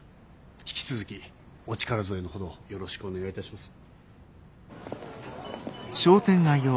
引き続きお力添えのほどよろしくお願いいたします。